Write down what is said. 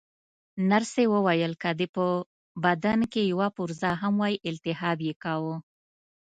نرسې وویل: که دې په بدن کې یوه پرزه هم وای، التهاب یې کاوه.